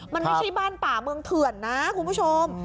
มันไม่ใช่บ้านป่าเมืองเถื่อนนะคุณผู้ชม